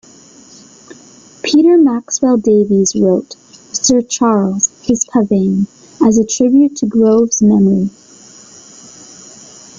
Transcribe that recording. Peter Maxwell Davies wrote "Sir Charles: his Pavane" as a tribute to Groves's memory.